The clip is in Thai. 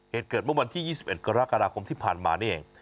เหตุเกิดเมื่อวันที่๒๑กรกฎาคมที่ผ่านมานี่เอง